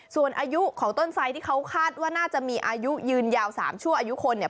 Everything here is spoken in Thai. ส่วนอายุของต้นไซดที่เขาคาดว่าน่าจะมีอายุยืนยาว๓ชั่วอายุคนเนี่ย